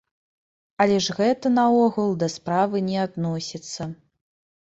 Але ж гэта наогул да справы не адносіцца.